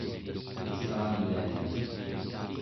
assalia